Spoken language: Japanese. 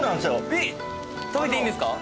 えっ食べていいんですか？